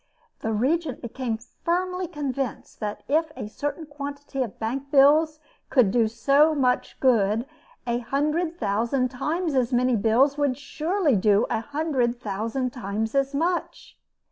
The Regent became firmly convinced, that if a certain quantity of bank bills could do so much good, a hundred thousand times as many bills would surely do a hundred thousand times as much.